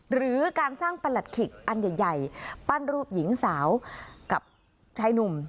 หรือการสร้างประหลัดขิกอันใหญ่ปั้นรูปหญิงสาวกับชายหนุ่ม